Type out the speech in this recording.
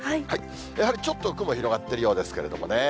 やはりちょっと雲広がってるようですけどもね。